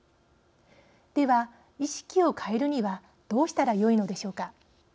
では、意識を変えるにはどうしたらよいのでしょうか。